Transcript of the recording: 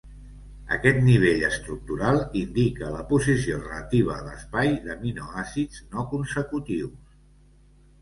Aquest nivell estructural indica la posició relativa a l'espai d'aminoàcids no consecutius.